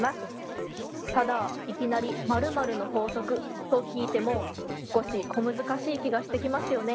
ただいきなり○○の法則と聞いても少し小難しい気がしてきますよね。